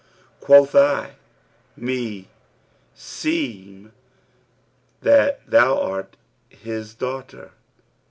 Quoth I, 'Meseemeth thou art his daughter?'